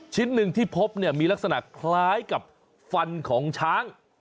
ชิ้นหนึ่งที่พบเนี่ยมีลักษณะคล้ายกับฟันของช้าง